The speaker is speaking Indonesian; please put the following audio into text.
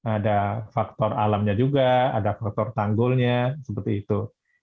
ada faktor alamnya juga ada faktor tanggulnya seperti itu